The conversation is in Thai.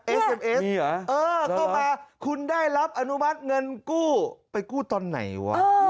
เอสเข้ามาคุณได้รับอนุมัติเงินกู้ไปกู้ตอนไหนวะ